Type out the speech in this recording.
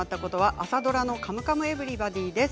朝ドラの「カムカムエヴリバディ」です。